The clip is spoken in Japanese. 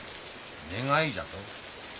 願いじゃと？